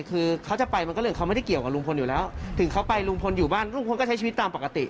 คือเขาจะไปมันก็เรื่องเขาไม่ได้เกี่ยวกับลุงพลอยู่แล้วถึงเขาไปลุงพลอยู่บ้านลุงพลก็ใช้ชีวิตตามปกติ